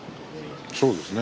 そうですね